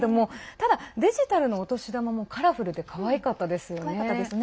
ただ、デジタルのお年玉もカラフルでかわいかったですよね。